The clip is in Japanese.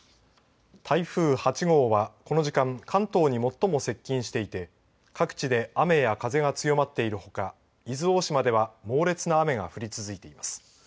台風８号はこの時間関東に最も接近していて各地で雨や風が強まっているほか伊豆大島では猛烈な雨が降り続いています。